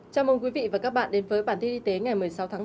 chào mừng quý vị và các bạn đến với bản tin y tế ngày một mươi sáu tháng bốn